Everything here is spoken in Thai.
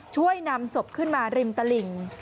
ช่วยนำศพขึ้นมาริมตลิ่ง